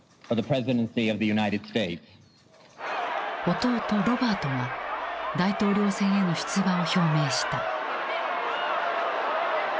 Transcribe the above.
弟ロバートが大統領選への出馬を表明した。